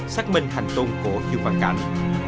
xác minh hành tôn của dương văn cảnh